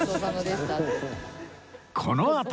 このあと